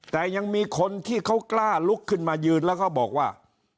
แต่ยังมีคนที่เขากล้าลุกขึ้นมายืนแล้วก็บอกว่า